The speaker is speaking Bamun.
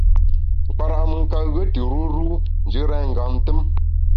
Nkpara’ mùn ka ghue tù ruru njù rèn ngam tùm.